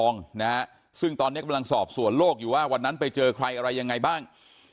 ซึ่งตอนนี้กำลังสอบสวนโลกอยู่ว่าวันนั้นไปเจอใครอะไรยังไงบ้าง